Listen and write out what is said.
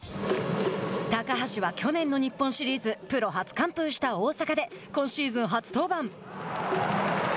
高橋は、去年の日本シリーズプロ初完封した大阪で今シーズン初登板。